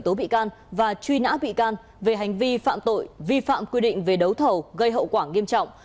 tố bị can và truy nã bị can về hành vi phạm tội vi phạm quy định về đấu thầu gây hậu quả nghiêm trọng